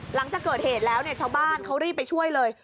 หลังจากเกิดเหตุแล้วเนี่ยชาวบ้านเขารีบไปช่วยเลย